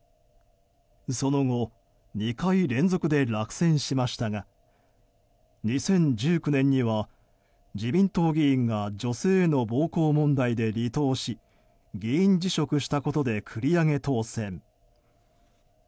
その後、２回連続で落選しましたが２０１９年には自民党議員が女性への暴行問題で離党し議員辞職したことで繰り上げ当選。